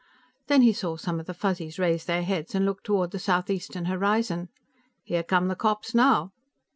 Then he saw some of the Fuzzies raise their heads and look toward the southeastern horizon. "Here come the cops, now."